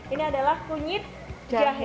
ini adalah kunyit jahe